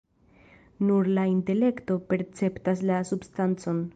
Nur la intelekto perceptas la substancon.